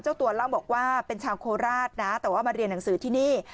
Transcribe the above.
เจ้าตัวเล่าบอกว่าเป็นชาวโคราชนะแต่ว่ามาเรียนหนังสือที่นี่